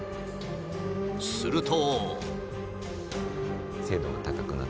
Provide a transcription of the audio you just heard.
すると。